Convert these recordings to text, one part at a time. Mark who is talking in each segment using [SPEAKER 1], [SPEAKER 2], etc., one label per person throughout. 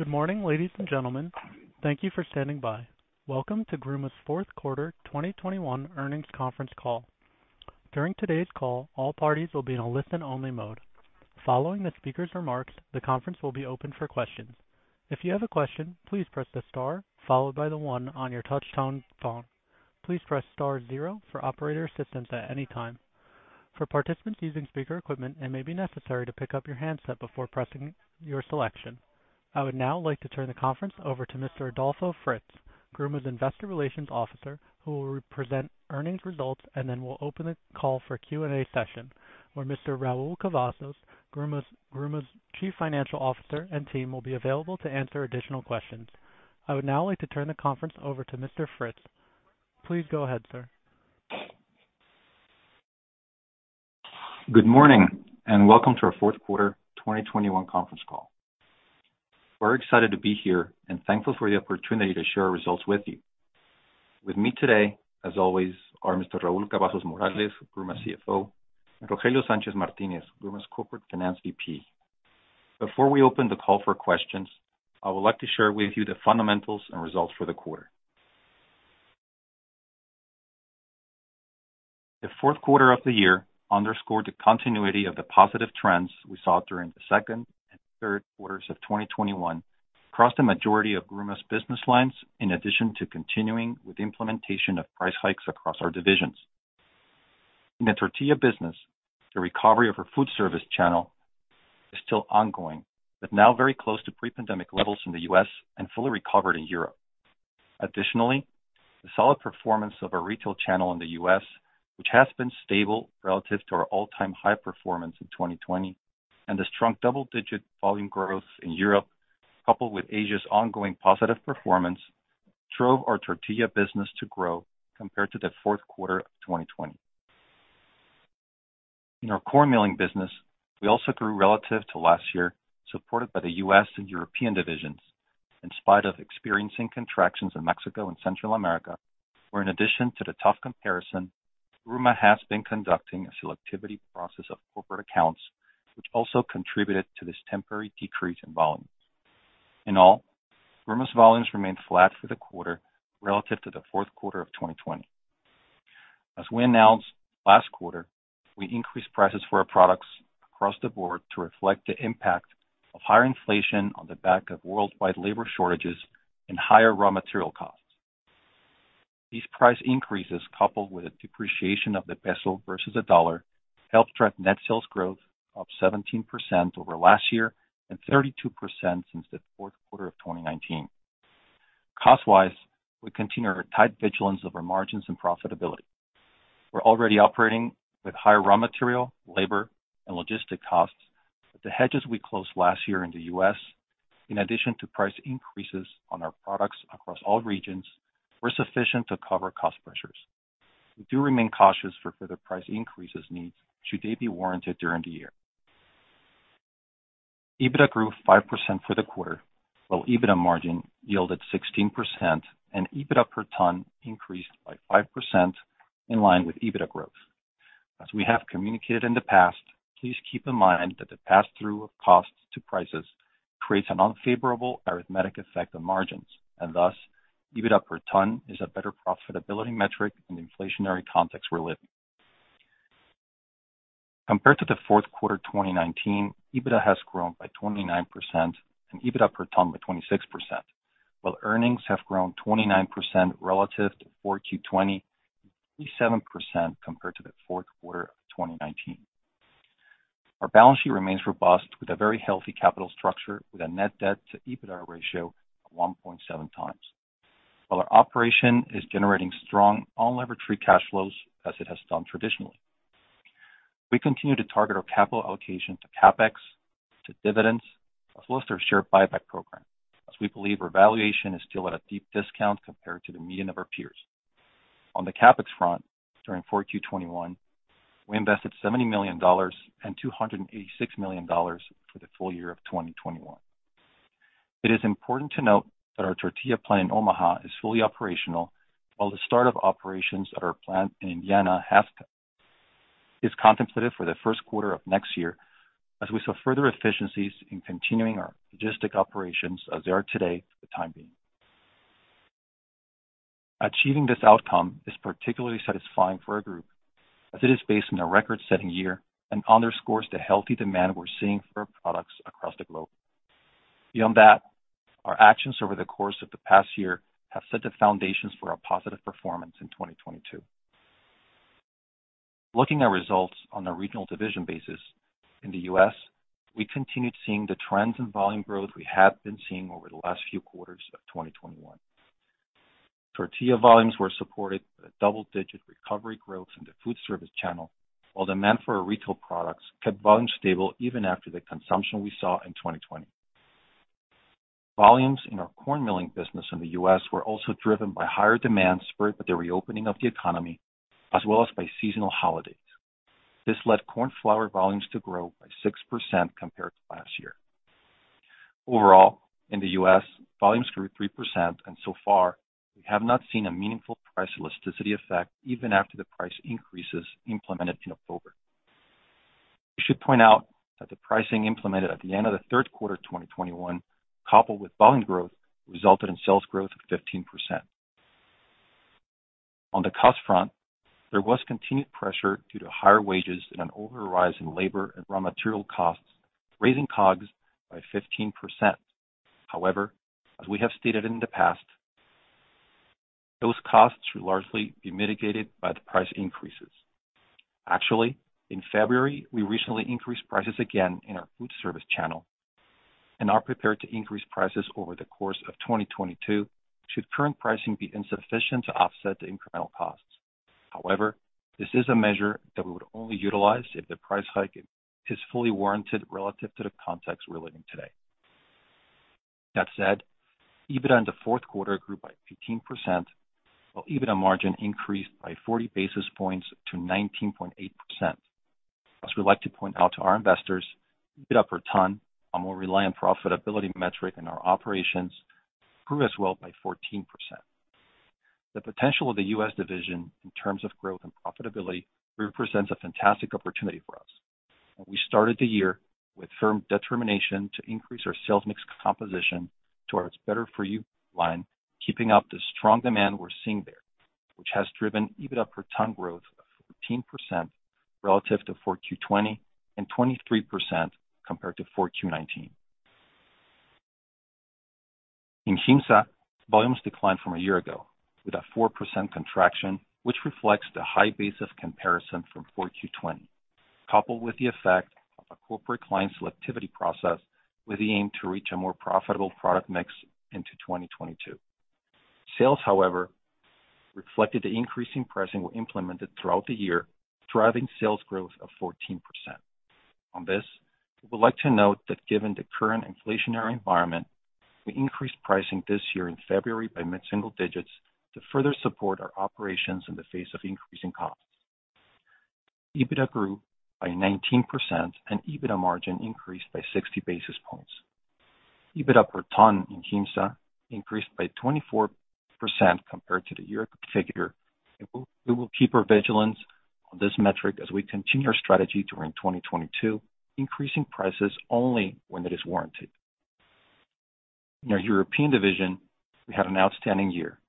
[SPEAKER 1] Good morning, ladies and gentlemen. Thank you for standing by. Welcome to Gruma's fourth quarter 2021 earnings conference call. During today's call, all parties will be in a listen-only mode. Following the speaker's remarks, the conference will be open for questions. If you have a question, please press the star followed by the one on your touchtone phone. Please press star zero for operator assistance at any time. For participants using speaker equipment, it may be necessary to pick up your handset before pressing your selection. I would now like to turn the conference over to Mr. Adolfo Fritz, Gruma's Investor Relations Officer, who will present earnings results and then will open the call for a Q&A session where Mr. Raúl Cavazos, Gruma's Chief Financial Officer, and team will be available to answer additional questions. I would now like to turn the conference over to Mr. Fritz. Please go ahead, sir.
[SPEAKER 2] Good morning, and welcome to our fourth quarter 2021 conference call. We're excited to be here and thankful for the opportunity to share our results with you. With me today, as always, are Mr. Raúl Cavazos Morales, Gruma's CFO, Rogelio Sánchez Martinez, Gruma's Corporate Finance VP. Before we open the call for questions, I would like to share with you the fundamentals and results for the quarter. The fourth quarter of the year underscored the continuity of the positive trends we saw during the second and third quarters of 2021 across the majority of Gruma's business lines, in addition to continuing with implementation of price hikes across our divisions. In the tortilla business, the recovery of our food service channel is still ongoing, but now very close to pre-pandemic levels in the U.S. and fully recovered in Europe. Additionally, the solid performance of our retail channel in the U.S., which has been stable relative to our all-time high performance in 2020 and the strong double-digit volume growth in Europe, coupled with Asia's ongoing positive performance, drove our tortilla business to grow compared to the fourth quarter of 2020. In our corn milling business, we also grew relative to last year, supported by the U.S. and European divisions, in spite of experiencing contractions in Mexico and Central America, where in addition to the tough comparison, Gruma has been conducting a selectivity process of corporate accounts which also contributed to this temporary decrease in volumes. In all, Gruma's volumes remained flat for the quarter relative to the fourth quarter of 2020. As we announced last quarter, we increased prices for our products across the board to reflect the impact of higher inflation on the back of worldwide labor shortages and higher raw material costs. These price increases, coupled with the depreciation of the peso versus the dollar, helped drive net sales growth up 17% over last year and 32% since the fourth quarter of 2019. Cost-wise, we continue our tight vigilance over margins and profitability. We're already operating with higher raw material, labor, and logistic costs, but the hedges we closed last year in the U.S., in addition to price increases on our products across all regions, were sufficient to cover cost pressures. We do remain cautious for further price increases needs should they be warranted during the year. EBITDA grew 5% for the quarter, while EBITDA margin yielded 16% and EBITDA per ton increased by 5% in line with EBITDA growth. As we have communicated in the past, please keep in mind that the passthrough of costs to prices creates an unfavorable arithmetic effect on margins, and thus EBITDA per ton is a better profitability metric in the inflationary context we're living in. Compared to the fourth quarter of 2019, EBITDA has grown by 29% and EBITDA per ton by 26%, while earnings have grown 29% relative to Q4 2020 and 37% compared to the fourth quarter of 2019. Our balance sheet remains robust with a very healthy capital structure with a net debt to EBITDA ratio of 1.7x. While our operation is generating strong unlevered free cash flows as it has done traditionally. We continue to target our capital allocation to CapEx, to dividends, as well as to our share buyback program, as we believe our valuation is still at a deep discount compared to the median of our peers. On the CapEx front, during Q4 2021, we invested $70 million and $286 million for the full year of 2021. It is important to note that our tortilla plant in Omaha is fully operational, while the start of operations at our plant in Janaúba is contemplated for the first quarter of next year as we saw further efficiencies in continuing our logistic operations as they are today for the time being. Achieving this outcome is particularly satisfying for our group as it is based on a record-setting year and underscores the healthy demand we're seeing for our products across the globe. Beyond that, our actions over the course of the past year have set the foundations for our positive performance in 2022. Looking at results on a regional division basis, in the U.S., we continued seeing the trends in volume growth we have been seeing over the last few quarters of 2021. Tortilla volumes were supported by the double-digit recovery growth in the food service channel while demand for our retail products kept volumes stable even after the consumption we saw in 2020. Volumes in our corn milling business in the U.S. were also driven by higher demand spurred by the reopening of the economy as well as by seasonal holidays. This led corn flour volumes to grow by 6% compared to last year. Overall, in the U.S., volumes grew 3%, and so far we have not seen a meaningful price elasticity effect even after the price increases implemented in October. We should point out that the pricing implemented at the end of the third quarter 2021, coupled with volume growth, resulted in sales growth of 15%. On the cost front, there was continued pressure due to higher wages and an overall rise in labor and raw material costs, raising COGS by 15%. However, as we have stated in the past, those costs should largely be mitigated by the price increases. Actually, in February, we recently increased prices again in our food service channel and are prepared to increase prices over the course of 2022 should current pricing be insufficient to offset the incremental costs. However, this is a measure that we would only utilize if the price hike is fully warranted relative to the context we're living today. That said, EBITDA in the fourth quarter grew by 15%, while EBITDA margin increased by 40 basis points to 19.8%. As we like to point out to our investors, EBITDA per ton, a more reliant profitability metric in our operations, grew as well by 14%. The potential of the U.S. division in terms of growth and profitability represents a fantastic opportunity for us. We started the year with firm determination to increase our sales mix composition towards Better For You line, keeping up the strong demand we're seeing there, which has driven EBITDA per ton growth of 14% relative to 4Q 2020 and 23% compared to Q4 2019. In Janaúba, volumes declined from a year ago with a 4% contraction, which reflects the high basis comparison from Q4 2020, coupled with the effect of a corporate client selectivity process with the aim to reach a more profitable product mix into 2022. Sales, however, reflected the increasing pricing we implemented throughout the year, driving sales growth of 14%. On this, we would like to note that given the current inflationary environment, we increased pricing this year in February by mid-single digits to further support our operations in the face of increasing costs. EBITDA grew by 19% and EBITDA margin increased by 60 basis points. EBITDA per ton in Janaúba increased by 24% compared to the year figure. We will keep our vigilance on this metric as we continue our strategy during 2022, increasing prices only when it is warranted. In our European division, we had an outstanding year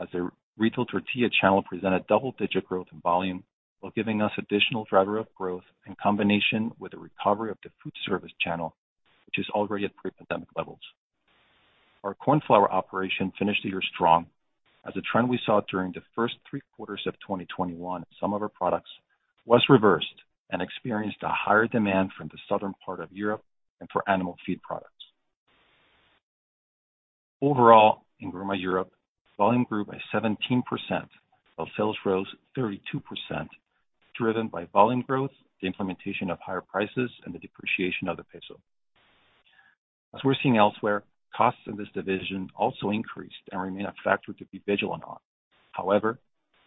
[SPEAKER 2] as the retail tortilla channel presented double-digit growth in volume while giving us additional driver of growth in combination with the recovery of the food service channel, which is already at pre-pandemic levels. Our corn flour operation finished the year strong as a trend we saw during the first three quarters of 2021 in some of our products was reversed and experienced a higher demand from the southern part of Europe and for animal feed products. Overall, in Gruma Europe, volume grew by 17%, while sales rose 32%, driven by volume growth, the implementation of higher prices, and the depreciation of the peso. As we're seeing elsewhere, costs in this division also increased and remain a factor to be vigilant on. However,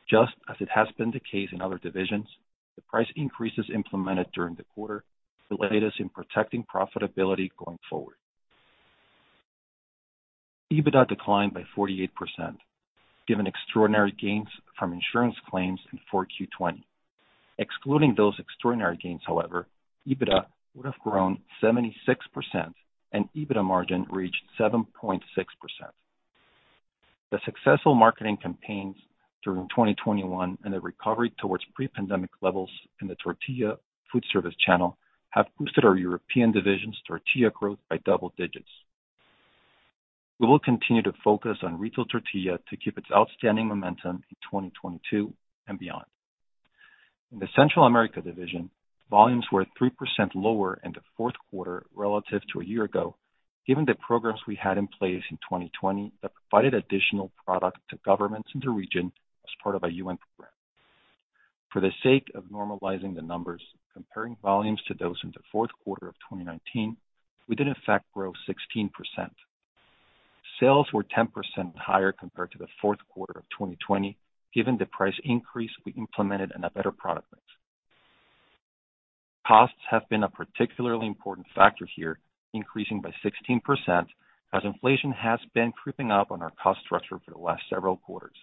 [SPEAKER 2] just as it has been the case in other divisions, the price increases implemented during the quarter allow us to protect profitability going forward. EBITDA declined by 48% given extraordinary gains from insurance claims in Q4 2020. Excluding those extraordinary gains, however, EBITDA would have grown 76% and EBITDA margin reached 7.6%. The successful marketing campaigns during 2021 and the recovery towards pre-pandemic levels in the tortilla food service channel have boosted our European division's tortilla growth by double digits. We will continue to focus on retail tortilla to keep its outstanding momentum in 2022 and beyond. In the Central America division, volumes were 3% lower in the fourth quarter relative to a year ago, given the programs we had in place in 2020 that provided additional product to governments in the region as part of a UN program. For the sake of normalizing the numbers, comparing volumes to those in the fourth quarter of 2019, we did in fact grow 16%. Sales were 10% higher compared to the fourth quarter of 2020, given the price increase we implemented and a better product mix. Costs have been a particularly important factor here, increasing by 16% as inflation has been creeping up on our cost structure for the last several quarters.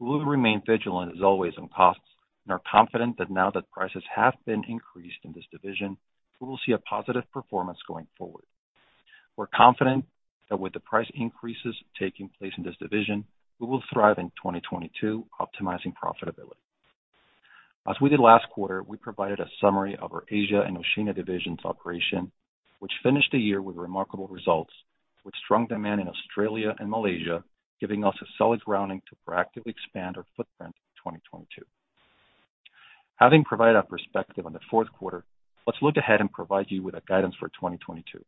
[SPEAKER 2] We will remain vigilant as always on costs and are confident that now that prices have been increased in this division, we will see a positive performance going forward. We're confident that with the price increases taking place in this division, we will thrive in 2022 optimizing profitability. As we did last quarter, we provided a summary of our Asia and Oceania division's operation, which finished the year with remarkable results, with strong demand in Australia and Malaysia, giving us a solid grounding to proactively expand our footprint in 2022. Having provided our perspective on the fourth quarter, let's look ahead and provide you with a guidance for 2022.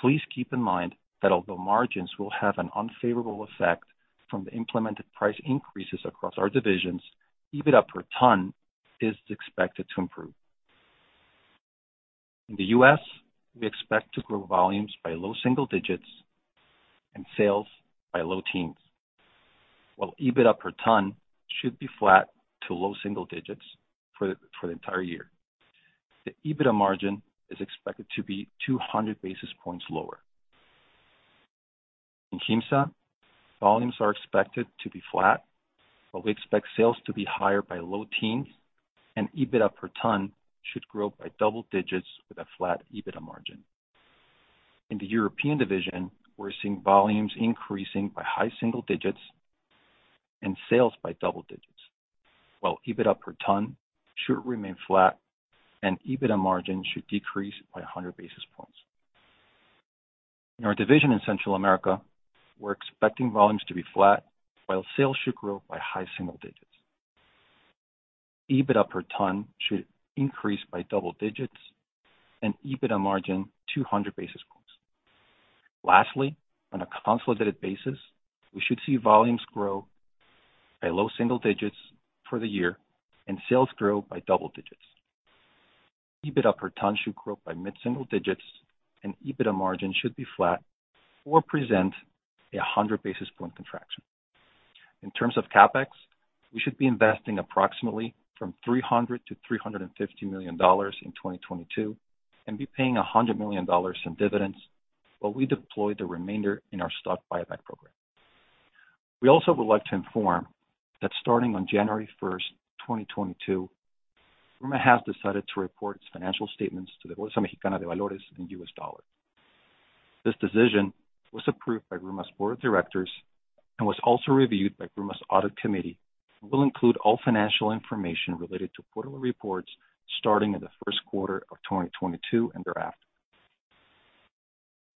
[SPEAKER 2] Again, please keep in mind that although margins will have an unfavorable effect from the implemented price increases across our divisions, EBITDA per ton is expected to improve. In the U.S., we expect to grow volumes by low single digits and sales by low teens. While EBITDA per ton should be flat to low single digits for the entire year. The EBITDA margin is expected to be 200 basis points lower. In GIMSA, volumes are expected to be flat, but we expect sales to be higher by low teens and EBITDA per ton should grow by double digits with a flat EBITDA margin. In the European division, we're seeing volumes increasing by high single digits and sales by double digits, while EBITDA per ton should remain flat and EBITDA margin should decrease by 100 basis points. In our division in Central America, we're expecting volumes to be flat while sales should grow by high single digits. EBITDA per ton should increase by double digits and EBITDA margin should increase by 200 basis points. Lastly, on a consolidated basis, we should see volumes grow by low single digits for the year and sales grow by double digits. EBITDA per ton should grow by mid-single digits and EBITDA margin should be flat or present a 100 basis point contraction. In terms of CapEx, we should be investing approximately $300 million-$350 million in 2022 and be paying $100 million in dividends, while we deploy the remainder in our stock buyback program. We also would like to inform that starting on January 1st, 2022, Gruma has decided to report its financial statements in US dollars. This decision was approved by Gruma's board of directors and was also reviewed by Gruma's audit committee, and will include all financial information related to quarterly reports starting in the first quarter of 2022 and thereafter.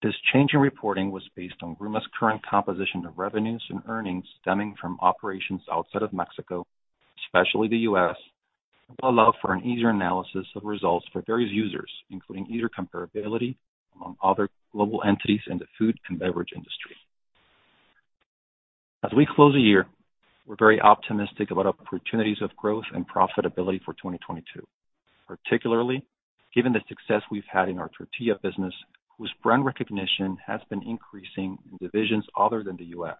[SPEAKER 2] This change in reporting was based on Gruma's current composition of revenues and earnings stemming from operations outside of Mexico, especially the U.S., and will allow for an easier analysis of results for various users, including easier comparability among other global entities in the food and beverage industry. As we close the year, we're very optimistic about opportunities of growth and profitability for 2022, particularly given the success we've had in our tortilla business, whose brand recognition has been increasing in divisions other than the U.S.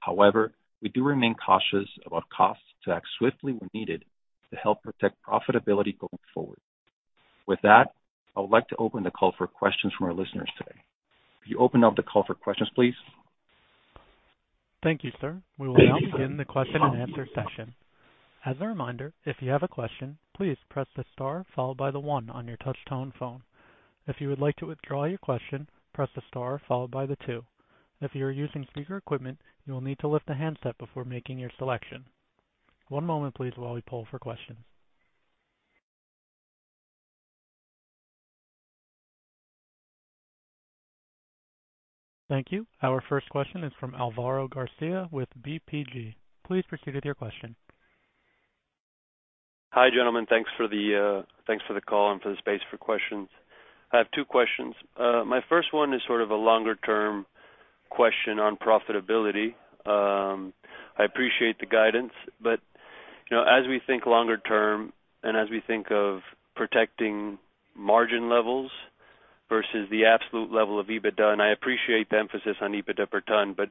[SPEAKER 2] However, we do remain cautious about costs to act swiftly when needed to help protect profitability going forward. With that, I would like to open the call for questions from our listeners today. Could you open up the call for questions, please?
[SPEAKER 1] Thank you, sir. We will now begin the question-and-answer session. As a reminder, if you have a question, please press the star followed by the one on your touch tone phone. If you would like to withdraw your question, press the star followed by the two. If you are using speaker equipment, you will need to lift the handset before making your selection. One moment please while we poll for questions. Thank you. Our first question is from Álvaro García with BTG Pactual. Please proceed with your question.
[SPEAKER 3] Hi, gentlemen. Thanks for the call and for the space for questions. I have two questions. My first one is sort of a longer term question on profitability. I appreciate the guidance, but, you know, as we think longer term and as we think of protecting margin levels versus the absolute level of EBITDA, and I appreciate the emphasis on EBITDA per ton. But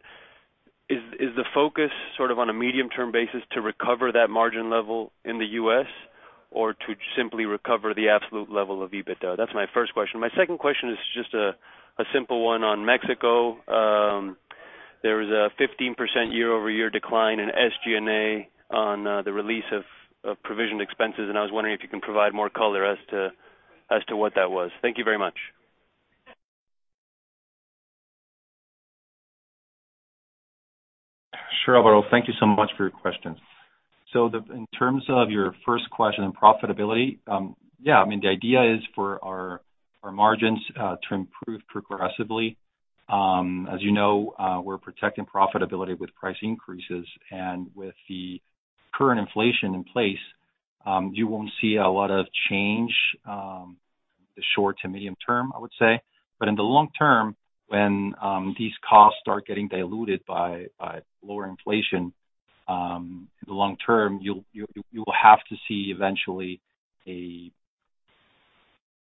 [SPEAKER 3] is the focus sort of on a medium term basis to recover that margin level in the U.S. or to simply recover the absolute level of EBITDA? That's my first question. My second question is just a simple one on Mexico. There was a 15% year-over-year decline in SG&A on the release of provision expenses, and I was wondering if you can provide more color as to what that was. Thank you very much.
[SPEAKER 2] Sure, Álvaro. Thank you so much for your questions. In terms of your first question on profitability, yeah, I mean, the idea is for our margins to improve progressively. As you know, we're protecting profitability with price increases and with the current inflation in place, you won't see a lot of change in the short to medium term, I would say. In the long term, when these costs start getting diluted by lower inflation, in the long term, you will have to see eventually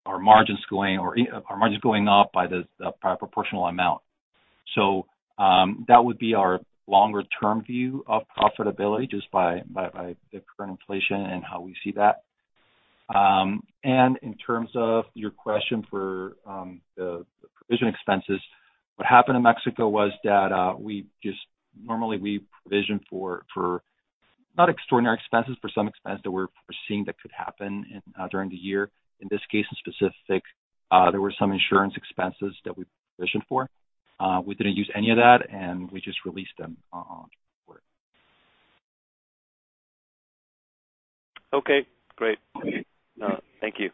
[SPEAKER 2] our margins going up by a proportional amount. That would be our longer term view of profitability just by the current inflation and how we see that. In terms of your question for the provision expenses, what happened in Mexico was that normally we provision for non-extraordinary expenses, for some expense that we're foreseeing that could happen during the year. In this case, specifically, there were some insurance expenses that we provisioned for. We didn't use any of that, and we just released them going forward.
[SPEAKER 3] Okay, great.
[SPEAKER 2] Okay.
[SPEAKER 3] Thank you.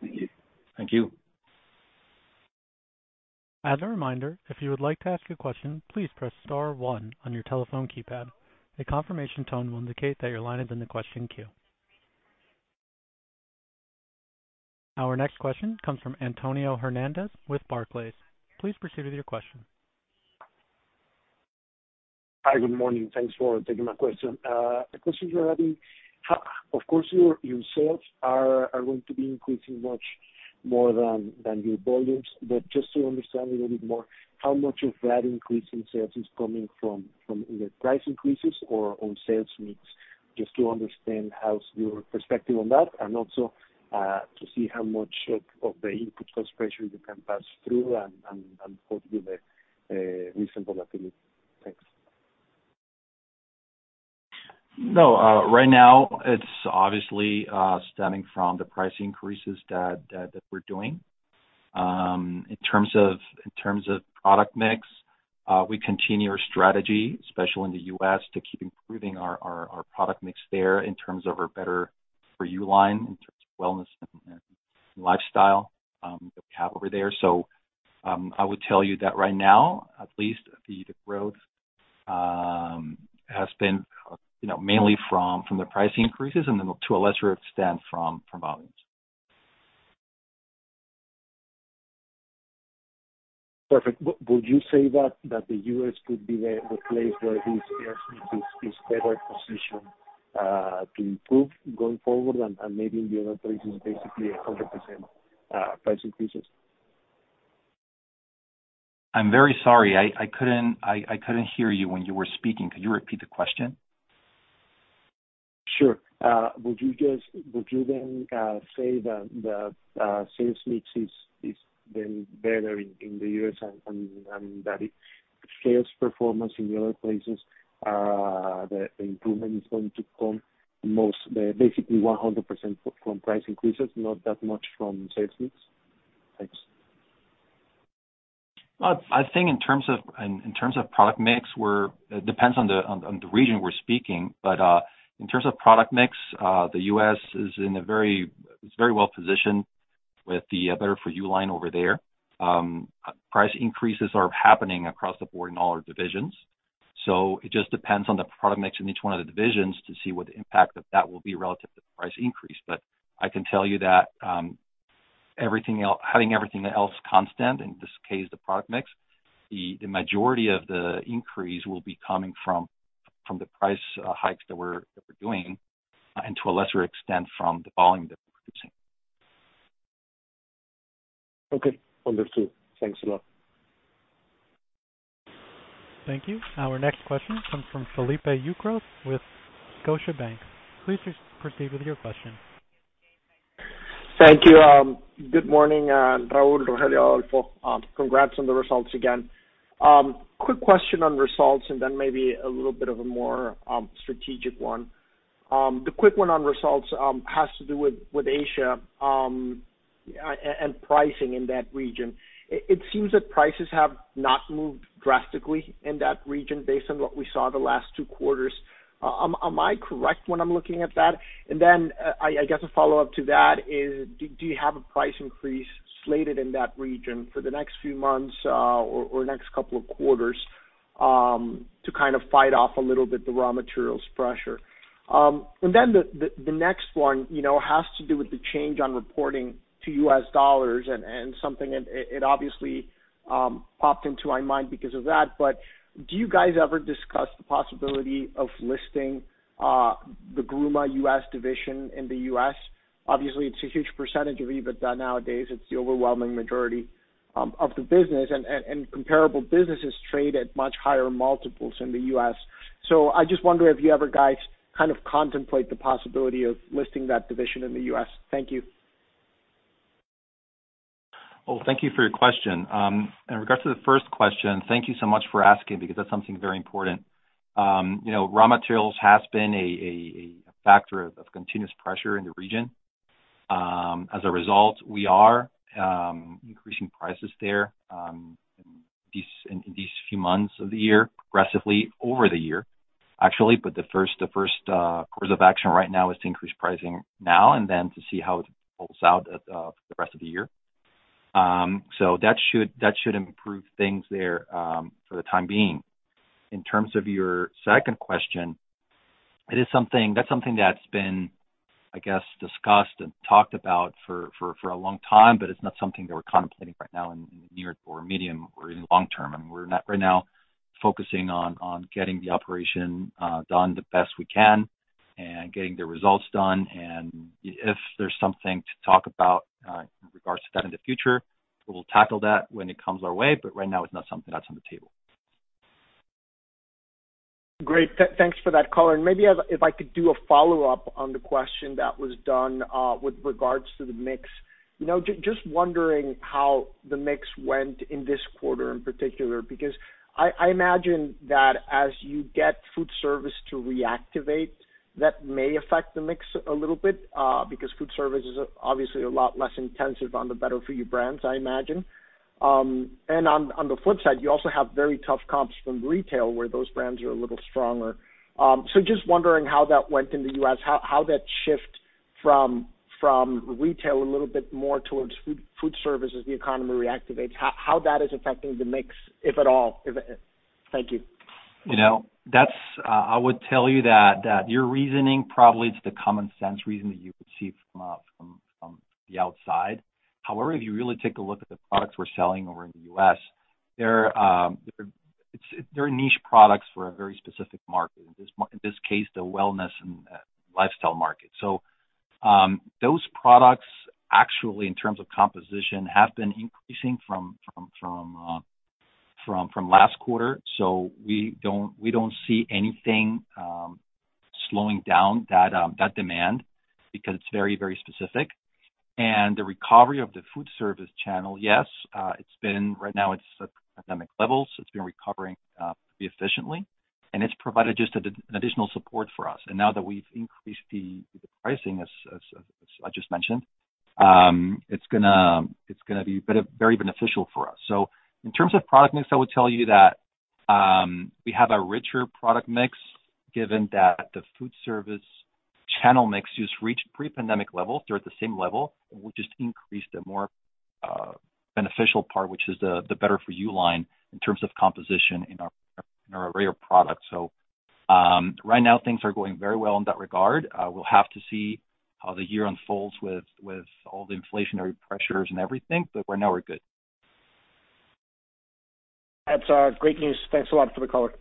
[SPEAKER 2] Thank you.
[SPEAKER 1] Thank you. As a reminder, if you would like to ask a question, please press star one on your telephone keypad. A confirmation tone will indicate that your line is in the question queue. Our next question comes from Antonio Hernández with Barclays. Please proceed with your question.
[SPEAKER 4] Hi. Good morning. Thanks for taking my question. A question regarding of course your sales are going to be increasing much more than your volumes. Just to understand a little bit more, how much of that increase in sales is coming from either price increases or on sales mix? Just to understand how's your perspective on that and also to see how much of the input cost pressure you can pass through and what will be the reasonable elasticity. Thanks.
[SPEAKER 2] No, right now it's obviously stemming from the price increases that we're doing. In terms of product mix, we continue our strategy, especially in the U.S., to keep improving our product mix there in terms of our Better For You line, in terms of wellness and lifestyle that we have over there. I would tell you that right now, at least the growth has been, you know, mainly from the price increases and then to a lesser extent from volumes.
[SPEAKER 4] Perfect. Would you say that the U.S. could be the place where this is better positioned to improve going forward and maybe in the other places, basically 100% price increases?
[SPEAKER 2] I'm very sorry. I couldn't hear you when you were speaking. Could you repeat the question?
[SPEAKER 4] Sure. Would you then say that the sales mix is doing better in the U.S. and that its performance in the other places, the improvement is going to come basically 100% from price increases, not that much from sales mix? Thanks.
[SPEAKER 2] I think in terms of product mix, it depends on the region we're speaking. In terms of product mix, the U.S. is very well positioned with the Better For You line over there. Price increases are happening across the board in all our divisions. It just depends on the product mix in each one of the divisions to see what the impact of that will be relative to the price increase. I can tell you that, having everything else constant, in this case, the product mix, the majority of the increase will be coming from the price hikes that we're doing, and to a lesser extent, from the volume that we're producing.
[SPEAKER 4] Okay. Understood. Thanks a lot.
[SPEAKER 1] Thank you. Our next question comes from Felipe Ucros with Scotiabank. Please proceed with your question.
[SPEAKER 5] Thank you. Good morning, Raúl, Rogelio, Adolfo. Congrats on the results again. Quick question on results and then maybe a little bit of a more strategic one. The quick one on results has to do with Asia and pricing in that region. It seems that prices have not moved drastically in that region based on what we saw the last two quarters. Am I correct when I'm looking at that? Then, I guess a follow-up to that is do you have a price increase slated in that region for the next few months, or next couple of quarters, to kind of fight off a little bit the raw materials pressure? The next one, you know, has to do with the change on reporting to S dollars and it obviously popped into my mind because of that. Do you guys ever discuss the possibility of listing the Gruma U.S. division in the U.S.? Obviously, it's a huge percentage of EBITDA nowadays. It's the overwhelming majority of the business and comparable businesses trade at much higher multiples in the U.S. I just wonder if you guys ever kind of contemplate the possibility of listing that division in the U.S. Thank you.
[SPEAKER 2] Well, thank you for your question. In regards to the first question, thank you so much for asking because that's something very important. You know, raw materials has been a factor of continuous pressure in the region. As a result, we are increasing prices there in these few months of the year, progressively over the year, actually. The first course of action right now is to increase pricing now and then to see how it plays out for the rest of the year. That should improve things there for the time being. In terms of your second question, that's something that's been, I guess, discussed and talked about for a long time, but it's not something that we're contemplating right now in the near or medium or in the long term. We're not right now focusing on getting the operation done the best we can and getting the results done. If there's something to talk about in regards to that in the future, we'll tackle that when it comes our way. Right now, it's not something that's on the table.
[SPEAKER 5] Great. Thanks for that color. Maybe if I could do a follow-up on the question that was done with regards to the mix. You know, just wondering how the mix went in this quarter in particular, because I imagine that as you get food service to reactivate, that may affect the mix a little bit, because food service is, obviously, a lot less intensive on the Better For You brands, I imagine. And on the flip side, you also have very tough comps from retail where those brands are a little stronger. So just wondering how that went in the U.S., how that shift from retail a little bit more towards food service as the economy reactivates, how that is affecting the mix, if at all. Thank you.
[SPEAKER 2] You know, that's, I would tell you that your reasoning probably is the common sense reason that you would see from the outside. However, if you really take a look at the products we're selling over in the U.S., they're niche products for a very specific market, in this case, the wellness and lifestyle market. Those products actually in terms of composition have been increasing from last quarter. We don't see anything slowing down that demand because it's very specific. The recovery of the food service channel, yes, right now it's at pandemic levels. It's been recovering pretty efficiently, and it's provided just additional support for us. Now that we've increased the pricing, as I just mentioned, it's gonna be very beneficial for us. In terms of product mix, I would tell you that we have a richer product mix given that the food service channel mix just reached pre-pandemic levels. They're at the same level. We just increased the more beneficial part, which is the Better For You line in terms of composition in our array of products. Right now things are going very well in that regard. We'll have to see how the year unfolds with all the inflationary pressures and everything, but right now we're good.
[SPEAKER 5] That's great news. Thanks a lot for the color.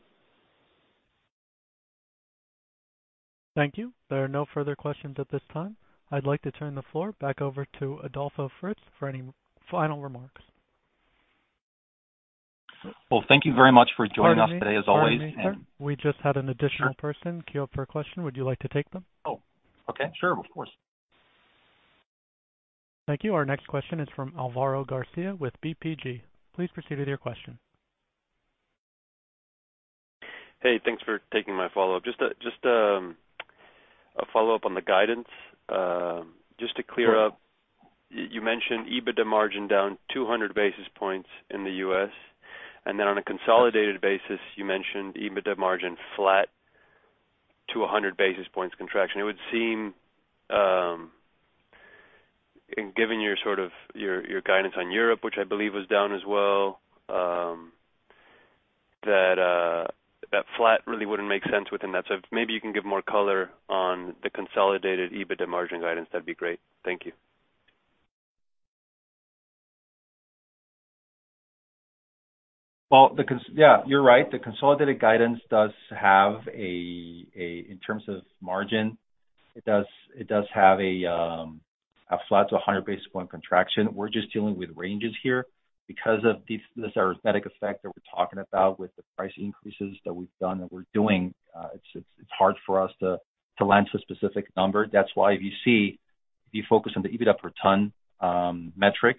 [SPEAKER 1] Thank you. There are no further questions at this time. I'd like to turn the floor back over to Adolfo Fritz for any final remarks.
[SPEAKER 2] Well, thank you very much for joining us today as always.
[SPEAKER 1] Pardon me. Pardon me, sir. We just had an additional person queued up for a question. Would you like to take them?
[SPEAKER 2] Oh, okay. Sure. Of course.
[SPEAKER 1] Thank you. Our next question is from Álvaro García with BTG Pactual. Please proceed with your question.
[SPEAKER 3] Hey, thanks for taking my follow-up. Just a follow-up on the guidance. Just to clear up, you mentioned EBITDA margin down 200 basis points in the U.S., and then on a consolidated basis, you mentioned EBITDA margin flat to 100 basis points contraction. It would seem, and given your guidance on Europe, which I believe was down as well, that flat really wouldn't make sense within that. Maybe you can give more color on the consolidated EBITDA margin guidance. That'd be great. Thank you.
[SPEAKER 2] Well, yeah, you're right. The consolidated guidance does have a flat to 100 basis point contraction in terms of margin. We're just dealing with ranges here. Because of this arithmetic effect that we're talking about with the price increases that we've done, that we're doing, it's hard for us to lend to a specific number. That's why if you see, if you focus on the EBITDA per ton metric,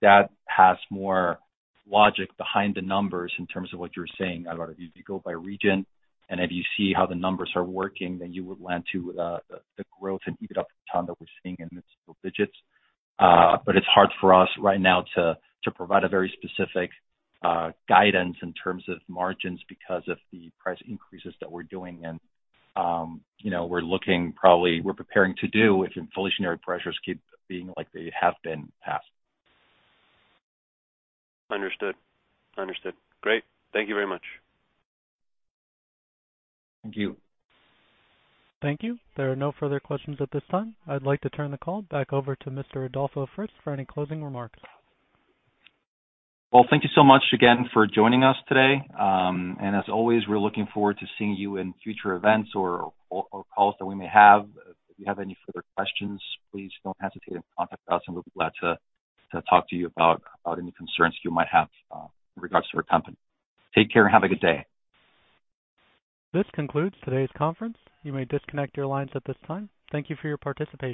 [SPEAKER 2] that has more logic behind the numbers in terms of what you're saying, Alvaro. If you go by region and if you see how the numbers are working, then you would lend to the growth in EBITDA per ton that we're seeing in the single digits. It's hard for us right now to provide a very specific guidance in terms of margins because of the price increases that we're doing and, you know, we're probably preparing to do if inflationary pressures keep being like they have been in the past.
[SPEAKER 3] Understood. Great. Thank you very much.
[SPEAKER 2] Thank you.
[SPEAKER 1] Thank you. There are no further questions at this time. I'd like to turn the call back over to Mr. Adolfo Fritz for any closing remarks.
[SPEAKER 2] Well, thank you so much again for joining us today. As always, we're looking forward to seeing you in future events or calls that we may have. If you have any further questions, please don't hesitate to contact us and we'll be glad to talk to you about any concerns you might have in regards to our company. Take care and have a good day.
[SPEAKER 1] This concludes today's conference. You may disconnect your lines at this time. Thank you for your participation.